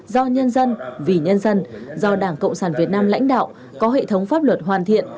do nhân dân vì nhân dân do đảng cộng sản việt nam lãnh đạo có hệ thống pháp luật hoàn thiện